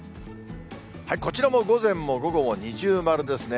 こちらも午前も午後も二重丸ですね。